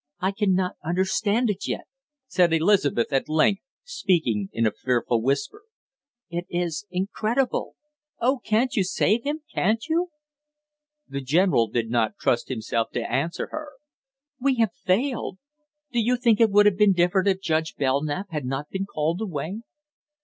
"I can not understand it yet!" said Elizabeth at length, speaking in a fearful whisper. "It is incredible. Oh, can't you save him can't you?" The general did not trust himself to answer her. "We have failed. Do you think it would have been different if Judge Belknap had not been called away?"